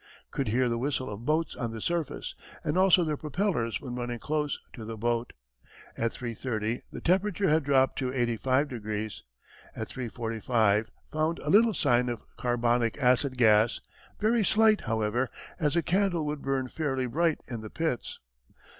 Could hear the whistle of boats on the surface, and also their propellers when running close, to the boat. At 3.30 the temperature had dropped to eighty five degrees. At 3.45 found a little sign of carbonic acid gas, very slight, however, as a candle would burn fairly bright in the pits.